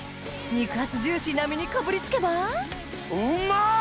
肉厚ジューシーな身にかぶりつけばうまっ！